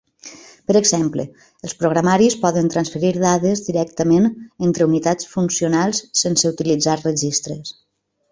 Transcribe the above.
Per exemple, els programaris poden transferir dades directament entre unitats funcionals sense utilitzar registres.